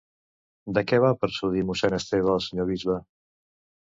De què va persuadir mossèn Esteve al senyor bisbe?